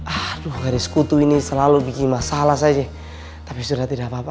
aduh garis sekutu ini selalu bikin masalah saja tapi sudah tidak apa apa